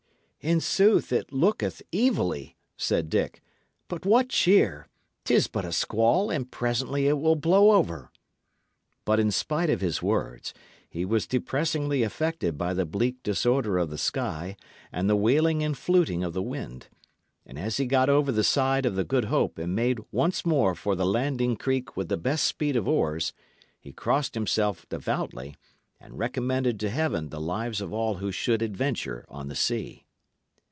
"In sooth, it looketh evilly," said Dick. "But what cheer! 'Tis but a squall, and presently it will blow over." But, in spite of his words, he was depressingly affected by the bleak disorder of the sky and the wailing and fluting of the wind; and as he got over the side of the Good Hope and made once more for the landing creek with the best speed of oars, he crossed himself devoutly, and recommended to Heaven the lives of all who should adventure on the sea.